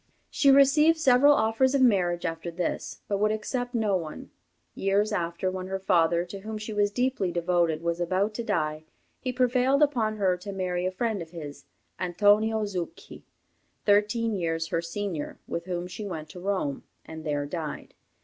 She received several offers of marriage after this, but would accept no one. Years after, when her father, to whom she was deeply devoted, was about to die, he prevailed upon her to marry a friend of his, Antonio Zucchi, thirteen years her senior, with whom she went to Rome, and there died.